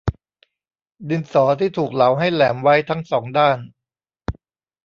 ดินสอที่ถูกเหลาให้แหลมไว้ทั้งสองด้าน